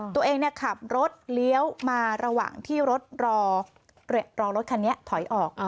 ตัวเองขับรถเลี้ยวมาระหว่างที่รถรอรถคันนี้ถอยออก